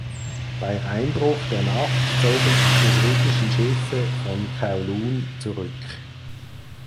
Bei Einbruch der Nacht zogen sich die britischen Schiffe von Kowloon zurück.